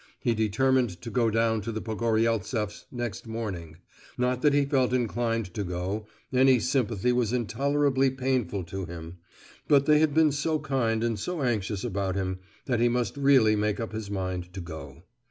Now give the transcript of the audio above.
He determined to go down to the Pogoryeltseffs' next morning; not that he felt inclined to go—any sympathy was intolerably painful to him,—but they had been so kind and so anxious about him, that he must really make up his mind to go.